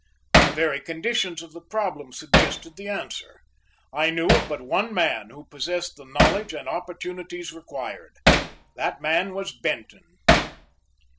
The very conditions of the problem suggested the answer. I knew of but one man who possessed the knowledge and opportunities required. That man was Benton.